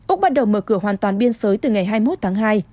úc bắt đầu mở cửa hoàn toàn biên giới từ ngày hai mươi một tháng hai